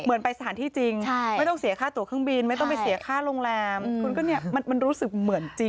เหมือนไปสถานที่จริงไม่ต้องเสียค่าตัวเครื่องบินไม่ต้องไปเสียค่าโรงแรมคุณก็เนี่ยมันรู้สึกเหมือนจริง